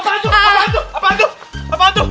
apaan tuh apaan tuh apaan tuh apaan tuh